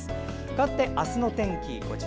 かわって、あすの天気。